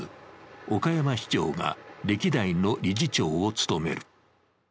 岡山市長が歴代の理事長を務める。